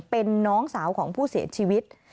เป็นน้องสาวของผู้เสียชีวิต